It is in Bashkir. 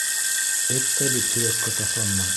Эт тә бит һөйәккә ташланмай.